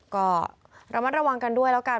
ก็ระมัดระวังกันด้วยแล้วกัน